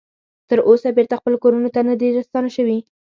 تر اوسه بیرته خپلو کورونو ته نه دې ستانه شوي